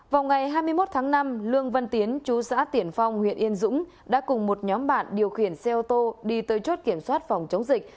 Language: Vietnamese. vào ngày hai mươi một tháng năm lương văn tiến chú xã tiển phong huyện yên dũng đã cùng một nhóm bạn điều khiển xe ô tô đi tới chốt kiểm soát phòng chống dịch